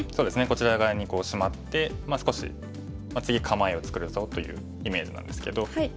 こちら側にシマって少し次構えを作るぞというイメージなんですけど。